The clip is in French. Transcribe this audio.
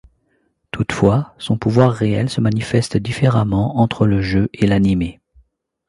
Toutefois, son pouvoir réel se manifeste différemment entre le jeu et l'anime.